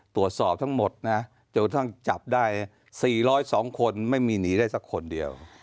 ตรวจสอบทั้งหมดนะจนกระทั่งจับได้๔๐๒คนไม่มีหนีได้สักคนเดียว